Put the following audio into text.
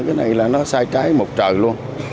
cái này là nó sai trái một trời luôn